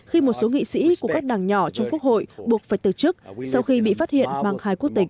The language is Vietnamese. khi một số nghị sĩ của các đảng nhỏ trong quốc hội buộc phải từ chức sau khi bị phát hiện mang khai quốc tịch